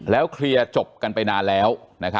เคลียร์จบกันไปนานแล้ว